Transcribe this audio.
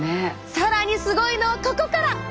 更にすごいのはここから！